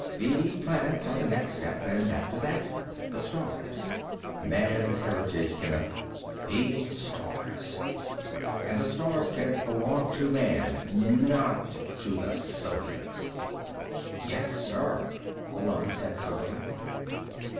The planets are the next step, and after that the stars. Man's heritage, Kenneth. The stars. And the stars, Kenneth, belong to Man not to the Soviets!" "Yes, sir," Malone said soberly.